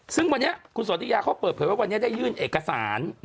ซึ่งวันนี้คุณสนทิยาเขาเปิดเผยว่าวันนี้ได้ยื่นเอกสาร